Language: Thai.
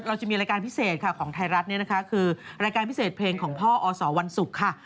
เราจะมีรายการพิเศษของไทยรัฐคือรายการพิเศษเพลงของพ่ออสวันศุกร์